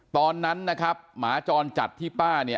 ตอนนั้นนะครับหมาจรจัดที่ป้าเนี่ย